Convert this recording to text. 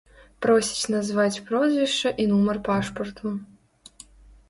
Просіць назваць прозвішча і нумар пашпарту.